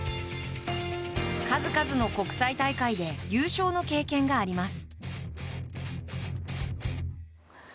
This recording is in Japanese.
数々の国際大会で優勝の経験があります。